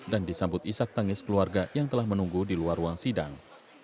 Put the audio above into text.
dan disambut isak tangis keluarga yang telah menunggu di luar ruang sidang